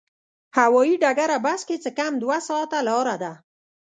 هوایي ډګره بس کې څه کم دوه ساعته لاره ده.